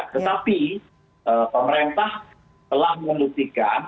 tetapi pemerintah telah menuntutkan